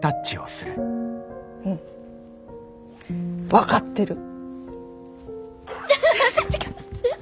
うん。分かってる。